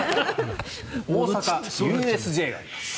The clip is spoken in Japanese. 大阪、ＵＳＪがあります。